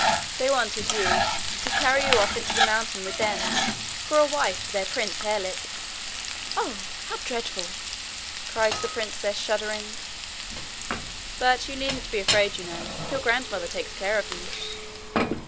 'They wanted you to carry you off into the mountain with them, for a wife to their prince Harelip.' 'Oh, how dreadful' cried the princess, shuddering. 'But you needn't be afraid, you know. Your grandmother takes care of you.'